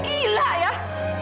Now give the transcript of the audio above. kamu tuh nekat